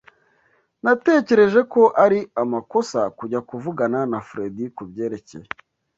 Natekereje ko ari amakosa kujya kuvugana na Fredy kubyerekeye.